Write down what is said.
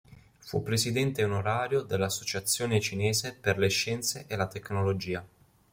Fu presidente onorario dell'Associazione cinese per le scienze e la tecnologia.